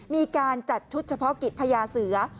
มีการจัดชุดเฉพาะกิจพญาเสือ